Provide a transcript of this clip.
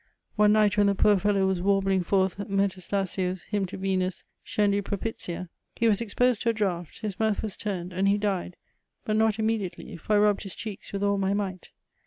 One night when the poor fellow was warbling forth Metastasio's Hymn to Venus^ Seendi propizia^ he was exposed to a draft, hu mouth was turned, and he died, but not immediately, for I rubbed his cheeks with all my might.